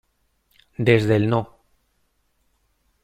Desde el No.